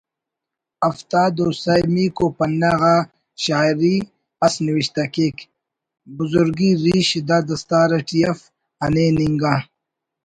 ہفتاد و سہ میکو پنہ غا شاعری اس نوشتہ کیک: بزرگی ریش دا دستار اٹی اف ہنین انگا